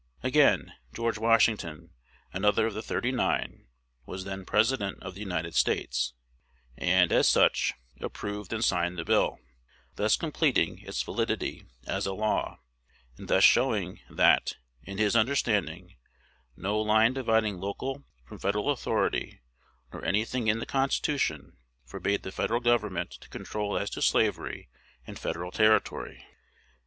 Again, George Washington, another of the "thirty nine," was then President of the United States, and, as such, approved and signed the bill, thus completing its validity as a law, and thus showing, that, in his understanding, no line dividing local from Federal authority, nor any thing in the Constitution, forbade the Federal Government to control as to slavery in Federal territory.